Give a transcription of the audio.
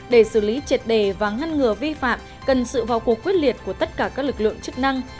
để xử lý triệt đề và ngăn ngừa vi phạm cần sự vào cuộc quyết liệt của tất cả các lực lượng chức năng